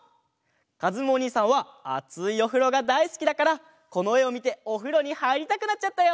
かずむおにいさんはあついおふろがだいすきだからこのえをみておふろにはいりたくなっちゃったよ！